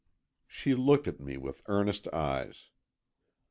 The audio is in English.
She looked at me with earnest eyes.